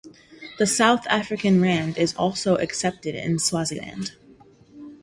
The South African rand is also accepted in Swaziland.